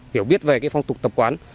hiểu biết về phong tục tập quản